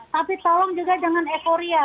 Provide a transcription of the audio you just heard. tapi tolong juga jangan euforia